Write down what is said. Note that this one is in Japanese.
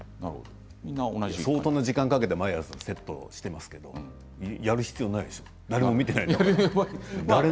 相当な時間をかけて毎朝セットしていますけどやる必要ないでしょ？